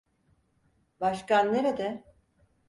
Başkan nerede?